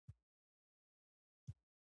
يو ته له بل نه شکايت پيدا کېږي.